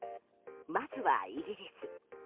まずはイギリス。